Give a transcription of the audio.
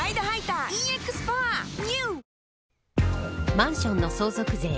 マンションの相続税。